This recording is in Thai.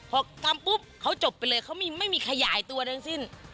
พอทำปุ๊บเขาจบไปเลยเขาไม่มีขยายตัวทั้งสิ้น